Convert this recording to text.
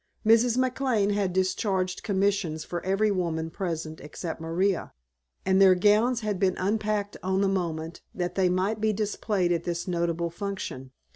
Mrs. McLane had discharged commissions for every woman present except Maria, and their gowns had been unpacked on the moment, that they might be displayed at this notable function.